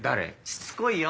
しつこいよ。